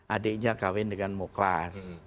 adiknya kawin dengan moklas